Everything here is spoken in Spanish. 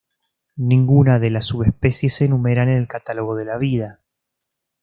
Ninguna de las subespecies se enumeran en el Catálogo de la Vida.